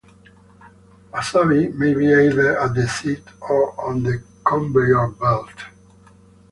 Wasabi may be either at the seat or on the conveyor belt.